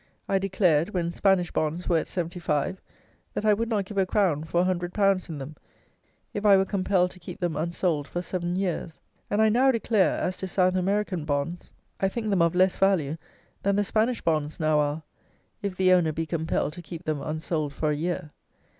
I declared, when Spanish bonds were at seventy five, that I would not give a crown for a hundred pounds in them, if I were compelled to keep them unsold for seven years; and I now declare, as to South American bonds, I think them of less value than the Spanish bonds now are, if the owner be compelled to keep them unsold for a year.